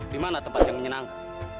di mana tempat yang menyenangkan